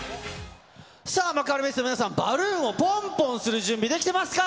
さあ、幕張メッセの皆さん、バルーンをぽんぽんする準備、できてますか？